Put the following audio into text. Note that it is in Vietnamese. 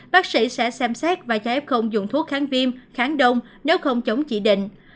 bác sĩ sẽ xem xét và cho phép không dùng thuốc kháng viêm kháng đông nếu không chống chỉ định